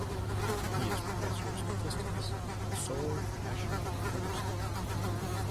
He is Professor of Statistics at the Seoul National University.